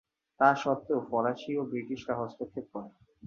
তা সত্ত্বেও ফরাসি ও ব্রিটিশরা হস্তক্ষেপ করে।